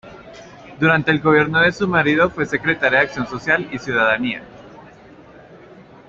Durante el gobierno de su marido fue secretaria de Acción Social y Ciudadanía.